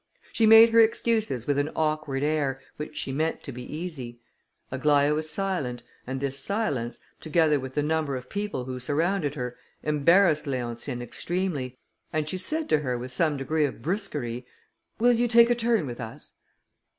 She made her excuses with an awkward air, which she meant to be easy. Aglaïa was silent, and this silence, together with the number of people who surrounded her, embarrassed Leontine extremely, and she said to her, with some degree of brusquerie, "Will you take a turn with us?"